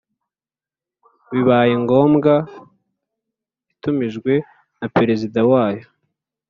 bibaye ngombwa itumijwe na Perezida wayo